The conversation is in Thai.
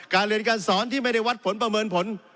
เรียนการสอนที่ไม่ได้วัดผลประเมินผล